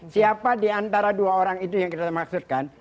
siapa di antara dua orang itu yang kita maksudkan